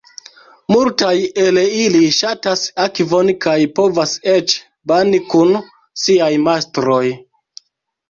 Multaj el ili ŝatas akvon kaj povas eĉ bani kun siaj mastroj.